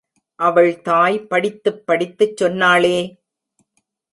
அவள் தாய் படித்துப் படித்துச் சொன்னாளே!